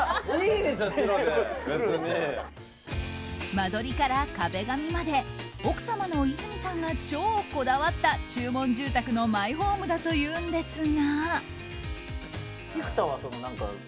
間取りから壁紙まで奥様の和泉さんが超こだわった注文住宅のマイホームだというんですが。